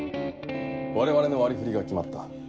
我々の割り振りが決まった。